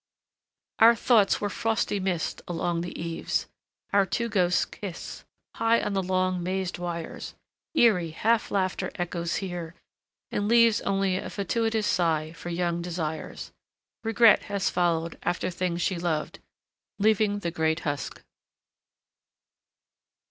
Our thoughts were frosty mist along the eaves; our two ghosts kissed, high on the long, mazed wires—eerie half laughter echoes here and leaves only a fatuous sigh for young desires; regret has followed after things she loved, leaving the great husk.